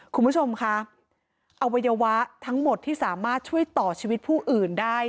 คุณผู้ชมคะอวัยวะทั้งหมดที่สามารถช่วยต่อชีวิตผู้อื่นได้